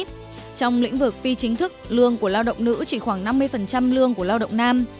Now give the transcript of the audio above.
trong lĩnh vực phi chính thức lương của lao động nữ chỉ khoảng năm mươi lương của lao động nam